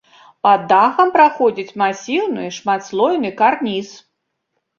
Пад дахам праходзіць масіўны шматслойны карніз.